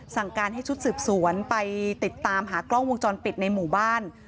สั่งการให้ชุดสืบสวนไปติดตามหากล้องวงจรปิดในหมู่บ้าน